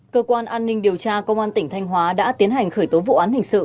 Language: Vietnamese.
cơ quan an ninh điều tra công an tỉnh thanh hóa đã tiến hành khởi tố vụ án hình sự